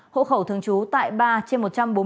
hộ khẩu thường trú tại ba trên một trăm bốn mươi